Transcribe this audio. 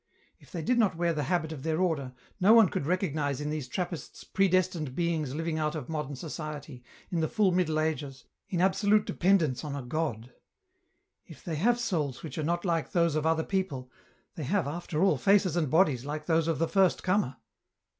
If they did not wear the habit of their order, no one could recognize in these Trappists predestined beings living out of modern society, in the full Middle Ages, in absolute dependence on a God. If they have souls which are not like those of other people, they have, after all, faces and bodies like those of the first comer."